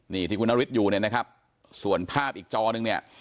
นี่ที่คุณนฤทธิ์อยู่เนี่ยนะครับส่วนภาพอีกจอนึงเนี่ย